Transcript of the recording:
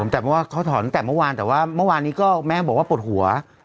แต่เพราะว่าเขาถอนตั้งแต่เมื่อวานแต่ว่าเมื่อวานนี้ก็แม่บอกว่าปวดหัว